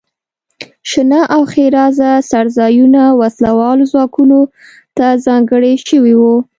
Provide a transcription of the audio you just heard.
شنه او ښېرازه څړځایونه وسله والو ځواکونو ته ځانګړي شوي وو.